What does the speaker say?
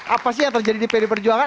apa sih yang terjadi di pd perjuangan